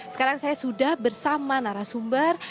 sekarang saya sudah bersama nara sumber